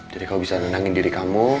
jadi kau bisa nendangin diri kamu